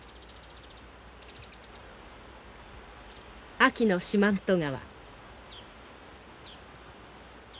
秋の四万十川。